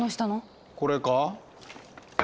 これか？